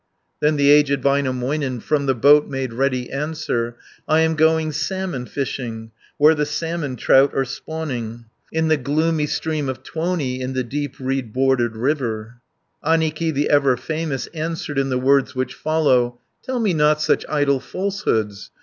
110 Then the aged Väinämöinen From the boat made ready answer: "I am going salmon fishing, Where the salmon trout are spawning, In the gloomy stream of Tuoni, In the deep reed bordered river." Annikki, the ever famous, Answered in the words which follow: "Tell me not such idle falsehoods!